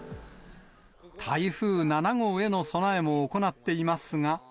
台風７号への備えも行っていますが。